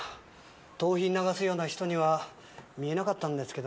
盗品流すような人には見えなかったんですけどね。